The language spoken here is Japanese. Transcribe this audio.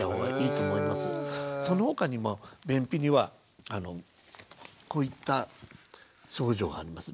その他にも便秘にはこういった症状があります。